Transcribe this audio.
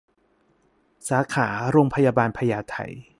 สาขาโรงพยาบาลพญาไท